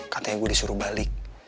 katanya gue disuruh balik